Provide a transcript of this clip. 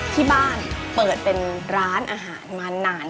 ที่บ้านเปิดเป็นร้านอาหารมานาน